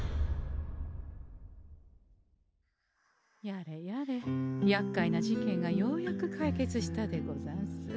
やれやれやっかいな事件がようやく解決したでござんす。